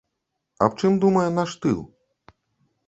Аб чым думае наш тыл?